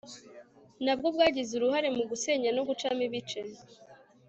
na bwo bwagize uruhare mu gusenya no gucamo ibice